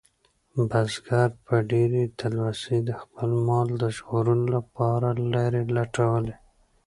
بزګر په ډېرې تلوسې د خپل مال د ژغورلو لپاره لارې لټولې.